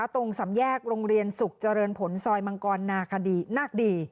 ตรงสำแยกโรงเรียนสุขเจริญผลซอยมังกรนาคดีนาคดี